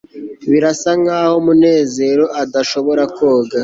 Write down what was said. birasa nkaho munezero adashobora koga